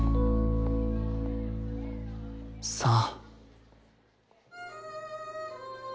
さあ。